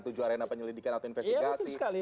tujuh arena penyelidikan atau investigasi